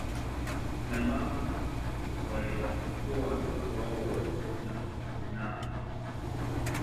Kina mama waliwachukua watoto wao wote na kusafiri nao